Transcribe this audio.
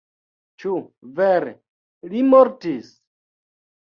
Ĉu vere li mortis?